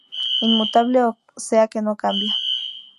Inmutable, o sea que no cambia.